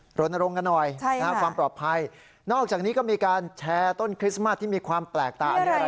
โตนโว้งกันหน่อยใช่ค่ะความปลอบภัยนอกจากนี้ก็มีการแชร์ต้นคริสต์มัสที่มีความแปลกตรายังไง